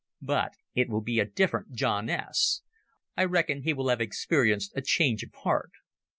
But it will be a different John S. I reckon he will have experienced a change of heart.